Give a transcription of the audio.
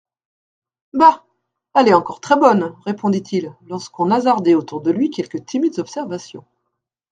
Bah ! elle est encore très-bonne, répondait-il, lorsqu'on hasardait autour de lui quelques timides observations.